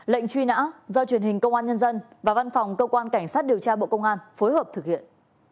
lệnh truy nã do truyền hình công an nhân dân và văn phòng cơ quan cảnh sát điều tra bộ công an phối hợp thực hiện